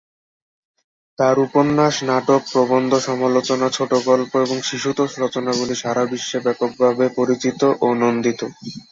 তাঁর উপন্যাস, নাটক, প্রবন্ধ, সমালোচনা, ছোটগল্প এবং শিশুতোষ রচনাবলী সারা বিশ্বে ব্যাপকভাবে পরিচিত ও নন্দিত।